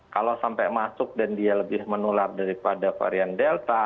kalau sampai masuk dan dia lebih menular daripada varian delta